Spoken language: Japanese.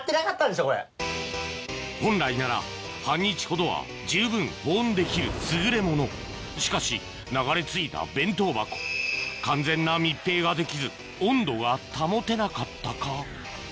本来なら半日ほどは十分保温できる優れものしかし流れ着いた弁当箱完全な密閉ができず温度が保てなかったか？